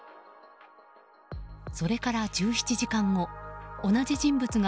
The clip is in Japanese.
それから１７時間後同じ人物が